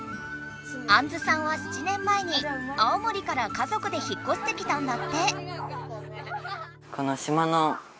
あんずさんは７年前に青森から家族で引っこしてきたんだって。